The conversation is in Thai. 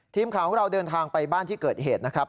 ทีมข่าวของเราเดินทางไปบ้านที่เกิดเหตุนะครับ